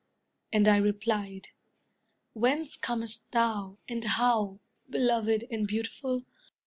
And I replied: "Whence comest thou, and how, Beloved and beautiful?